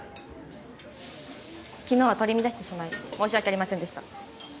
昨日は取り乱してしまい申し訳ありませんでした。